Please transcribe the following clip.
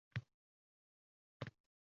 Tuproq ustiga gʻoʻzapoya bosasiz.